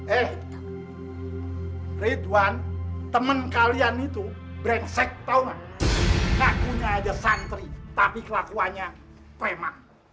eh ridwan teman kalian itu brengsek tahu ngakunya ada santri tapi kelakuannya prema